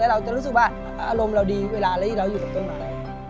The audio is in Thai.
แล้วเราจะรู้สึกว่าอารมณ์เราดีเวลาแล้วเราอยู่กับธรรมอะไร